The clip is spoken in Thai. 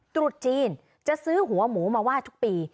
ตรุษจีนจะซื้อหัวหมูมาไหว้ทุกปี